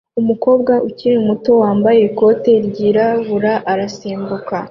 Umukobwa ukiri muto wambaye ikoti ryirabura arasimbuka